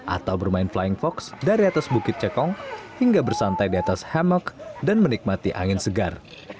atau bermain flying fox dari atas bukit cekong hingga bersantai di atas hammock dan menikmati angin segar